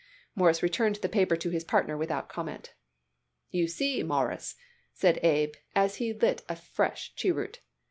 Morris returned the paper to his partner without comment. "You see, Mawruss," said Abe, as he lit a fresh cheroot.